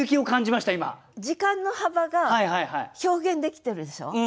時間の幅が表現できてるでしょ？